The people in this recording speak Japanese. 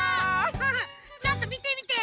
ちょっとみてみて。